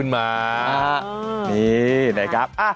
นี่นะครับ